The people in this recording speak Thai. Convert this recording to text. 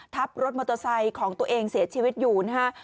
ทับรถมอเตอร์ไซค์ของตัวเองเสียชีวิตอยู่นะฮะ